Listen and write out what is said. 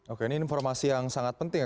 oke ini informasi yang sangat penting